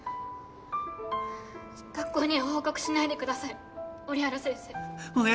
学校には報告しないでください折原先生。